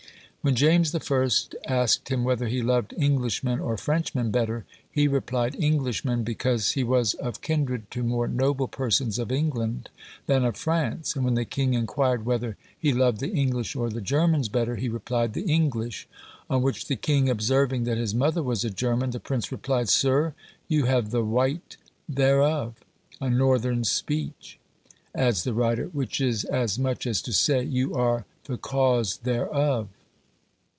When James I. asked him whether he loved Englishmen or Frenchmen better, he replied, "Englishmen, because he was of kindred to more noble persons of England than of France;" and when the king inquired whether he loved the English or the Germans better, he replied the English; on which the king observing that his mother was a German, the prince replied, "'Sir, you have the wyte thereof;' a northern speech," adds the writer, "which is as much as to say, you are the cause thereof."